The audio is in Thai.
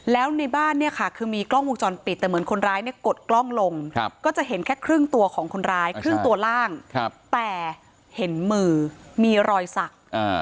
แล้วในบ้านเนี่ยค่ะคือมีกล้องวงจรปิดแต่เหมือนคนร้ายเนี่ยกดกล้องลงก็จะเห็นแค่ครึ่งตัวของคนร้ายครึ่งตัวล่างแต่เห็นมือมีรอยสัก